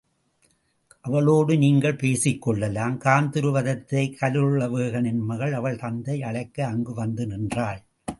அவளோடு நீங்களே பேசிக் கொள்ளலாம். காந்தருவதத்தை கலுழவேகனின் மகள் அவள் தந்தை அழைக்க அங்கு வந்து நின்றாள்.